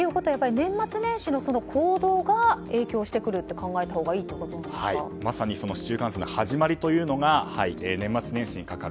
年末年始の行動が影響してくるって考えたほうがまさにその市中感染の始まりというのが年末年始にかかる。